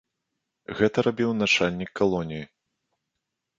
Гэта рабіў начальнік калоніі.